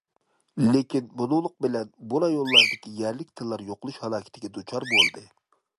لېكىن بۇنىڭلىق بىلەن بۇ رايونلاردىكى يەرلىك تىللار يوقىلىش ھالاكىتىگە دۇچار بولدى.